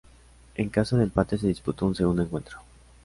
En caso de empate se disputó un segundo encuentro.